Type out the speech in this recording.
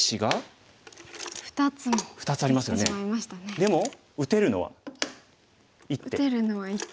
でも打てるのは１手。